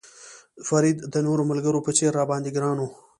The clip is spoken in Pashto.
فرید د نورو ملګرو په څېر را باندې ګران و.